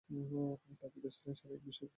তার পিতা ছিলেন শারীরিক শিক্ষা বিষয়ের শিক্ষক।